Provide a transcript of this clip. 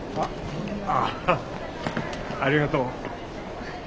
あああありがとう。